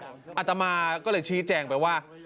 อาตมาก็เลยชี้แจงไปว่า